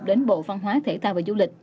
đến bộ phan hóa thể tạo và du lịch